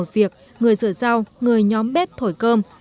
việc người rửa rau người nhóm bếp thổi cơm